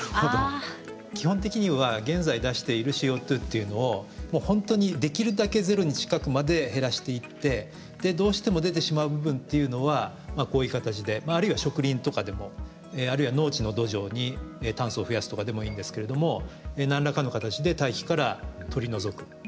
基本的には現在出しているＣＯっていうのを本当にできるだけゼロに近くまで減らしていってどうしても出てしまう部分っていうのはこういう形であるいは植林とかでもあるいは農地の土壌に炭素を増やすとかでもいいんですけれども何らかの形で大気から取り除く。